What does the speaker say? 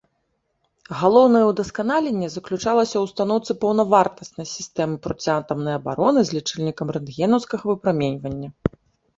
Галоўнае ўдасканаленне заключалася ў устаноўцы паўнавартаснай сістэмы проціатамнай абароны з лічыльнікам рэнтгенаўскага выпраменьвання.